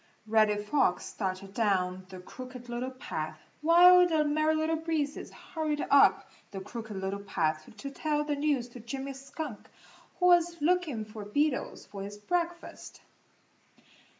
Reddy Fox started down the Crooked Little Path while the Merry Little Breezes hurried up the Crooked Little Path to tell the news to Jimmy Skunk, who was looking for beetles for his breakfast.